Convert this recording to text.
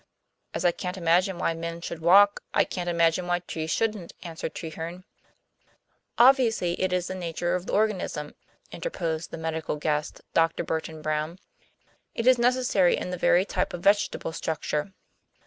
"As I can't imagine why men should walk, I can't imagine why trees shouldn't," answered Treherne. "Obviously, it is the nature of the organism", interposed the medical guest, Dr. Burton Brown; "it is necessary in the very type of vegetable structure."